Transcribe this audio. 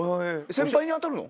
先輩に当たるの？